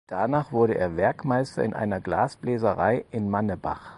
Danach wurde er Werkmeister in einer Glasbläserei in Manebach.